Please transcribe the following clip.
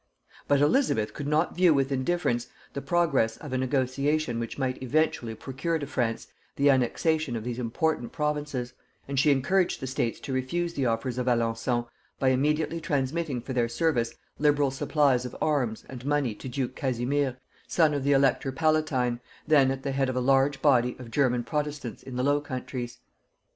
But Elizabeth could not view with indifference the progress of a negotiation which might eventually procure to France the annexation of these important provinces; and she encouraged the states to refuse the offers of Alençon by immediately transmitting for their service liberal supplies of arms and money to duke Casimir, son of the Elector Palatine, then at the head of a large body of German protestants in the Low Countries.